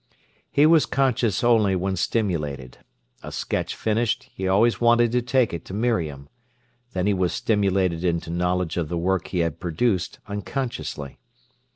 He was conscious only when stimulated. A sketch finished, he always wanted to take it to Miriam. Then he was stimulated into knowledge of the work he had produced unconsciously.